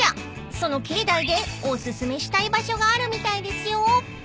［その境内でお薦めしたい場所があるみたいですよ］